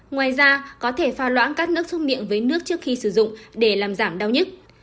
ngoài ra có thể pha loãng các nước xúc miệng với nước trước khi sử dụng để làm giảm đau nhất